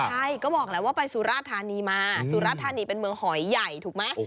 ใช่ก็บอกแล้วว่าไปสุราธานีมาสุรธานีเป็นเมืองหอยใหญ่ถูกไหม